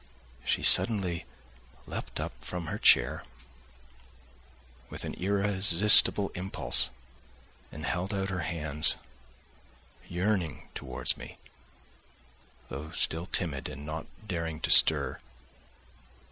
She suddenly leapt up from her chair with an irresistible impulse and held out her hands, yearning towards me, though still timid and not daring to stir....